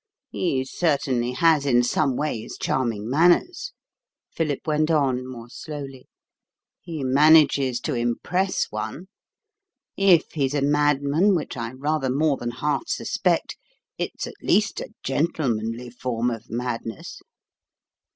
"He certainly has in some ways charming manners," Philip went on more slowly. "He manages to impress one. If he's a madman, which I rather more than half suspect, it's at least a gentlemanly form of madness."